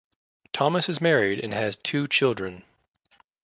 Thomas is married and has two children.